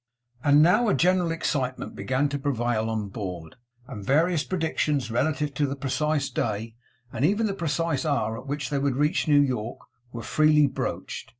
And now a general excitement began to prevail on board; and various predictions relative to the precise day, and even the precise hour at which they would reach New York, were freely broached.